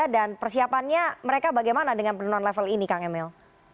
dan persiapannya mereka bagaimana dengan penurunan level ini kang emil